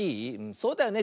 そうだよね。